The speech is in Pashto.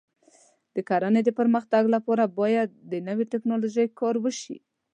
د کرنې د پرمختګ لپاره باید د نوې ټکنالوژۍ کار وشي.